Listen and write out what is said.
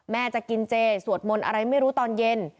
จะกินเจสวดมนต์อะไรไม่รู้ตอนเย็น